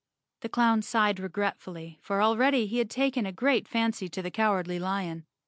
The clown sighed regretfully, for already he had taken a great fancy to the Cowardly Lion.